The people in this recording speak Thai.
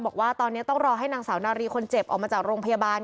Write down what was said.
บอกว่าตอนนี้ต้องรอให้นางสาวนารีคนเจ็บออกมาจากโรงพยาบาล